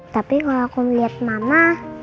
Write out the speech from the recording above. tapi kalau aku melihat mama